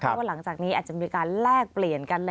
เพราะว่าหลังจากนี้อาจจะมีการแลกเปลี่ยนกัน